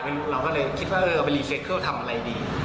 เราก็เลยคิดว่าเออไปรีเคิลทำอะไรดี